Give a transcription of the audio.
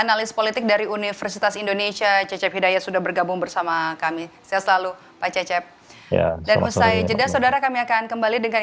apa lagi kemudian kalau iske